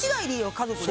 家族で。